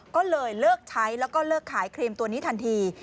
ก็เลยเลิกใช้แล้วก็เลิกขายครีมตัวนี้ทันที